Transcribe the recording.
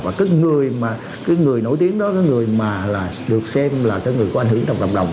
và cái người nổi tiếng đó là người mà được xem là người có ảnh hưởng trong cộng đồng